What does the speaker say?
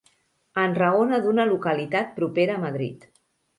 Enraona d'una localitat propera a Madrid.